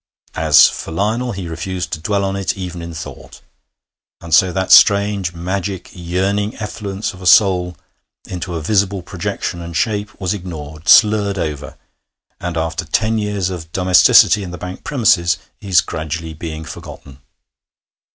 As for Lionel, he refused to dwell on it even in thought. And so that strange, magic, yearning effluence of a soul into a visible projection and shape was ignored, slurred over, and, after ten years of domesticity in the bank premises, is gradually being forgotten.